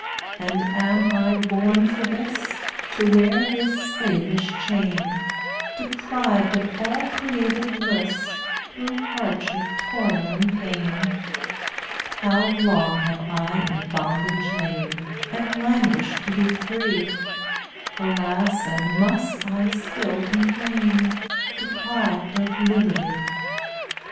and am I born for this, To wear this slavish chain? Deprived of all created bliss, Through hardship, toil, and pain? "How long have I in bondage lain, And languished to be free! Alas! and must I still complain, Deprived of liberty?